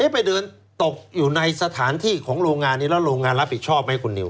ไปเดินตกอยู่ในสถานที่ของโรงงานนี้แล้วโรงงานรับผิดชอบไหมคุณนิว